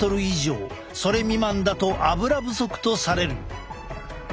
それ未満だとアブラ不足とされる。